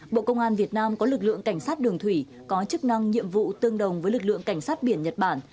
bộ công an việt nam có lực lượng cảnh sát đường thủy có chức năng nhiệm vụ tương đồng với lực lượng cảnh sát biển nhật bản